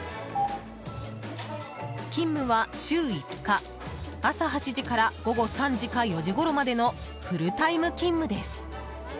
勤務は週５日朝８時から午後３時か４時ごろまでのフルタイム勤務です。